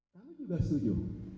saya juga setuju